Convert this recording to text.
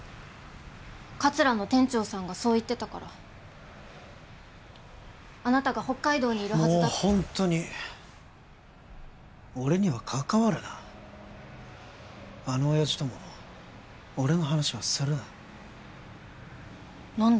かつらの店長さんがそう言ってたからあなたが北海道にいるはずだってもうホントに俺には関わるなあのオヤジとも俺の話はするな何で？